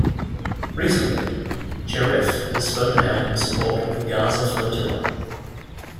Recently, Cherif has spoken out in support of the Gaza Flotilla.